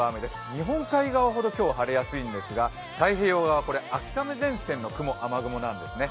日本海側ほど今日は晴れやすいんですが、太平洋側は秋雨前線の雲、これ、雨雲なんですね。